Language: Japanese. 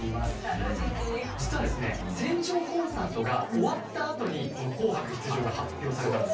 実はですね船上コンサートが終わったあとにこの「紅白」出場が発表されたんです。